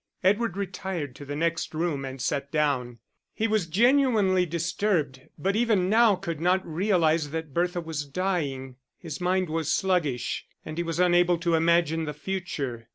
Edward retired to the next room and sat down. He was genuinely disturbed, but even now could not realise that Bertha was dying his mind was sluggish, and he was unable to imagine the future.